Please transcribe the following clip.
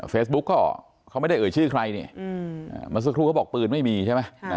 เฟซบุ๊กก็เขาไม่ได้เอ่ยชื่อใครเนี่ยเมื่อสักครู่เขาบอกปืนไม่มีใช่ไหม